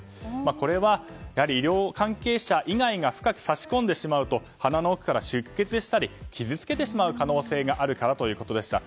これは医療関係者以外が深く差し込んでしまうと鼻の奥から出血したり傷つけてしまう可能性があるからということでした。